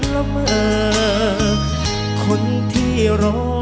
สวัสดีครับ